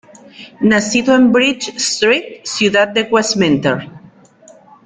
Nacido en Bridge Street, ciudad de Westminster.